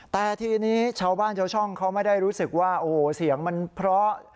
แต่ทีนี้ชาวบ้านชาวช่องเขาไม่ได้รู้สึกว่าโอ้โหเสียงมันเพราะ